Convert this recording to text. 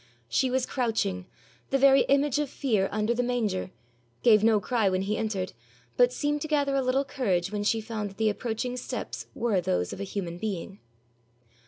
She was crouching, the very image of fear, under the manger, gave no cry when he entered, but seemed to gather a little courage when she found that the approaching steps were those of a human being.